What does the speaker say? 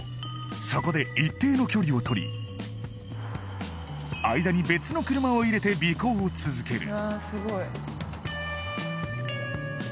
そこで一定の距離をとり間に別の車を入れて尾行を続ける